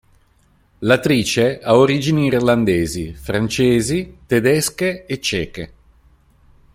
L'attrice ha origini irlandesi, francesi, tedesche e ceche.